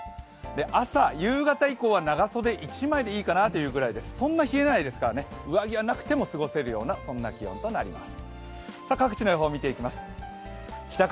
朝、夕方以降は長袖１枚でいいかなというくらい、そんな冷えないですから、上着はなくても過ごせるような気温となります。